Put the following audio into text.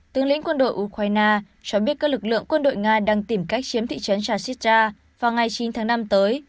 tướng lĩnh quân đội ukraine cho biết các lực lượng quân đội nga đang tìm cách chiếm thị trấn tracisda vào ngày chín tháng năm tới